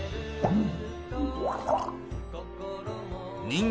うん！